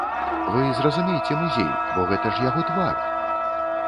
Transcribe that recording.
Вы зразумейце музей, бо гэта ж яго твар!